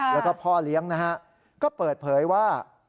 แล้วก็พ่อเลี้ยงนะฮะก็เปิดเผยว่า